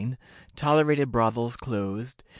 Tolerated Brothels closed.